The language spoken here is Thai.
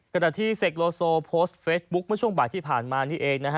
ขณะที่เสกโลโซโพสต์เฟซบุ๊คเมื่อช่วงบ่ายที่ผ่านมานี่เองนะฮะ